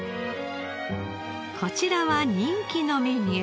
こちらは人気のメニュー。